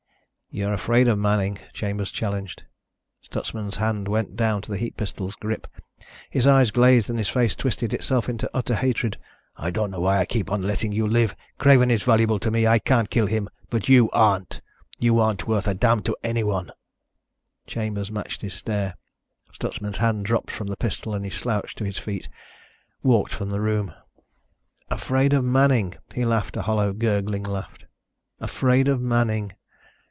"You're afraid of Manning," Chambers challenged. Stutsman's hand went down to the heat pistol's grip. His eyes glazed and his face twisted itself into utter hatred. "I don't know why I keep on letting you live. Craven is valuable to me. I can't kill him. But you aren't. You aren't worth a damn to anyone." Chambers matched his stare. Stutsman's hand dropped from the pistol and he slouched to his feet, walked from the room. Afraid of Manning! He laughed, a hollow, gurgling laugh. Afraid of Manning!